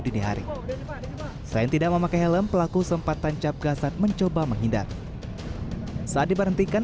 dini hari saya tidak memakai helm pelaku sempat tancap gas mencoba menghindar saat diberhentikan